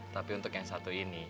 tapi untuk yang satu ini